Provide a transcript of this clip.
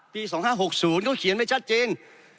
ปี๒๕๖๐ก็เขียนไม่ชัดจริง